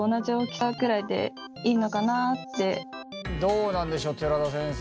なのでどうなんでしょう寺田先生